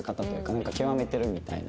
なんか極めてるみたいな。